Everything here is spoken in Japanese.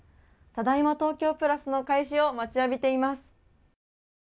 ただいま東京プラスの開始を待ちわびています。